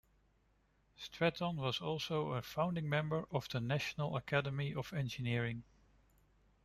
Stratton was also a founding member of the National Academy of Engineering.